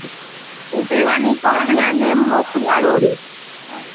Upévaniko ñanembopy'arory